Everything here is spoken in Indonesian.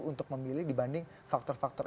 untuk memilih dibanding faktor faktor